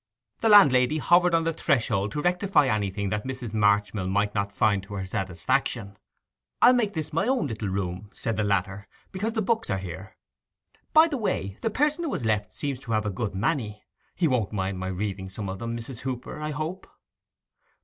The landlady hovered on the threshold to rectify anything that Mrs. Marchmill might not find to her satisfaction. 'I'll make this my own little room,' said the latter, 'because the books are here. By the way, the person who has left seems to have a good many. He won't mind my reading some of them, Mrs. Hooper, I hope?